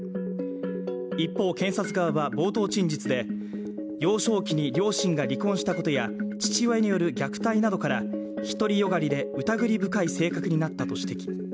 一方、検察側は冒頭陳述で、幼少期に両親が離婚したことや父親による虐待などから独り善がりで疑り深い性格になったと指摘。